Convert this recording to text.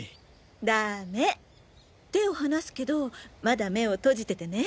ダメ♥手を離すけどまだ目を閉じててね。